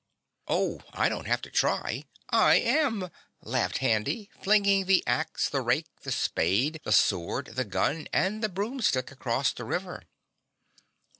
"Oh, I don't have to try, I am!" laughed Handy, flinging the axe, the rake, the spade, the sword, the gun and the broomstick across the river.